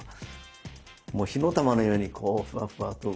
もう火の玉のようにこうフワフワと。